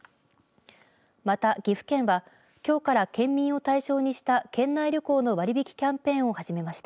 また、岐阜県はきょうから県民を対象にした県内旅行の割引キャンペーンを始めました。